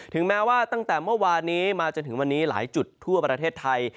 แม้ว่าตั้งแต่เมื่อวานนี้มาจนถึงวันนี้หลายจุดทั่วประเทศไทย